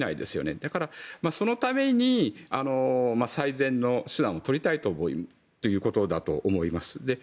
だからそのために最善の手段を取りたいということだと思います。